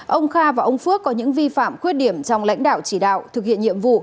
ông kha và ông phước có những vi phạm khuyết điểm trong lãnh đạo chỉ đạo thực hiện nhiệm vụ